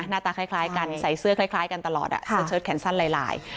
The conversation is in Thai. หน้าตาคล้ายกันใส่เสื้อคล้ายกันตลอดเสื้อเชิดแขนสั้นลาย